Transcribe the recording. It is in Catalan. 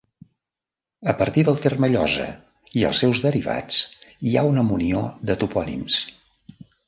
A partir del terme llosa i els seus derivats hi ha una munió de topònims.